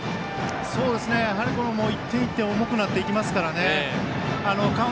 やはり、もう１点１点って重くなっていきますからね